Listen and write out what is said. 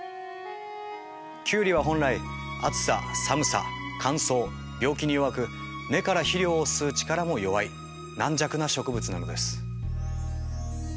キュウリは本来暑さ寒さ乾燥病気に弱く根から肥料を吸う力も弱い軟弱な植物なのです。